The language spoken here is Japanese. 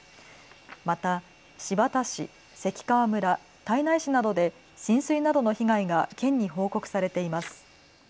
また新発田市、関川村、胎内市などで浸水などの被害が県に報告されています。